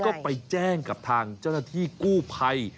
ก็ไปแจ้งกับทางเจ้านาธิกู้ไพร